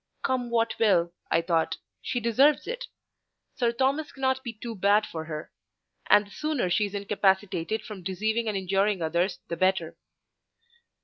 "Come what will," I thought, "she deserves it. Sir Thomas cannot be too bad for her; and the sooner she is incapacitated from deceiving and injuring others the better."